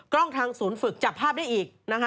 กล้องทางศูนย์ฝึกจับภาพได้อีก